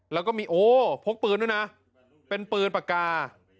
แล้วก็มีโอ้พกปืนด้วยนะเป็นปืนปากกา